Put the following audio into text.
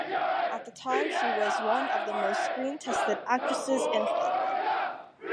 At the time, she was one of the most screen-tested actresses in Hollywood.